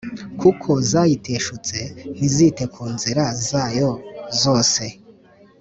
Kuko zayiteshutse Ntizite ku nzira zayo zose